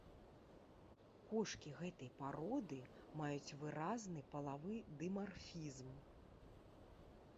Кошкі гэтай пароды маюць выразны палавы дымарфізм.